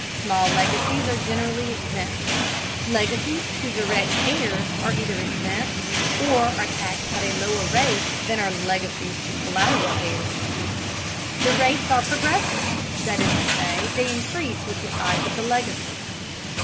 Small legacies are generally exempt. Legacies to direct heirs are either exempt, or are taxed at a lower rate than are legacies to collateral heirs. The rates are progressive, that is to say, they increase with the size of the legacy.